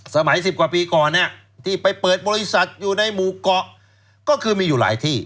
สมัย๑๐กว่าปีก่อนเนี่ยที่ไปเปิดบริษัทอยู่ในหมู่เกาะก็คือมีอยู่หลายที่